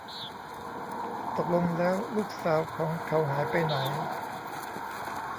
ตกลงแล้วลูกสาวของเขาหายไปไหน